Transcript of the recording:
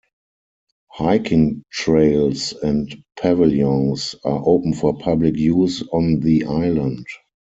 Hiking trails and pavilions are open for public use on the island.